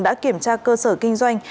đã kiểm tra cơ sở kinh doanh